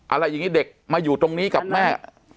อะไรอย่างนี้เด็กมาอยู่ตรงนี้กับแม่